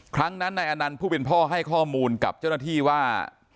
ครั้งนั้นนายอนันต์ผู้เป็นพ่อให้ข้อมูลกับเจ้าหน้าที่ว่า